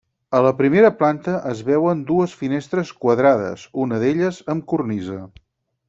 A la primera planta es veuen dues finestres quadrades, una d'elles amb cornisa.